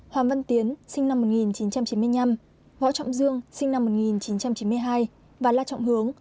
hoàng văn tiến sinh năm một nghìn chín trăm chín mươi năm võ trọng dương sinh năm một nghìn chín trăm chín mươi hai và la trọng hướng